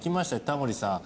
タモリさん。